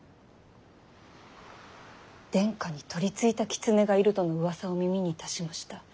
殿下に取りついた狐がいるとのうわさを耳にいたしました。